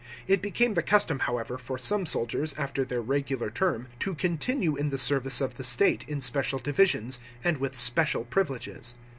It became the custom, however, for some soldiers, after their regular term, to continue in tlieservice of the state, in special divisions, and with special privileges.